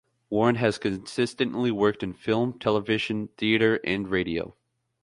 Warren has consistently worked in film, television, theatre and radio.